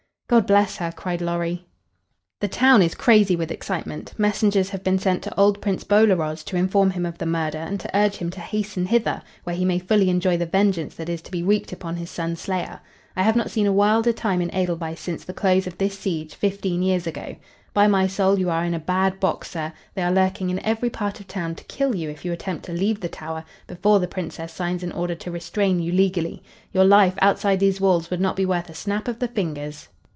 "God bless her!" cried Lorry. "The town is crazy with excitement. Messengers have been sent to old Prince Bolaroz to inform him of the murder and to urge him to hasten hither, where he may fully enjoy the vengeance that is to be wreaked upon his son's slayer. I have not seen a wilder time in Edelweiss since the close of the siege, fifteen years ago. By my soul, you are in a bad box, sir. They are lurking in every part of town to kill you if you attempt to leave the Tower before the Princess signs an order to restrain you legally. Your life, outside these walls, would not be worth a snap of the fingers."